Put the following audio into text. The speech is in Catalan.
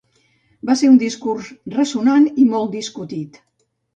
Va ésser un discurs ressonant i molt discutit.